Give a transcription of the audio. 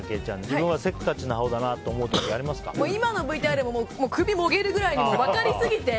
自分は、せっかちなほうだなと今のＶＴＲでも首もげるくらいに分かりすぎて。